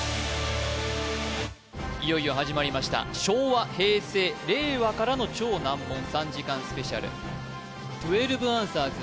いよいよ始まりました昭和平成令和からの超難問３時間ＳＰ１２アンサーズ